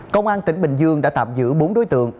công an tỉnh bình dương đã tạm giữ bốn đối tượng